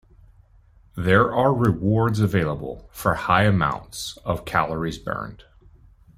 There are rewards available for high amounts of calories burned.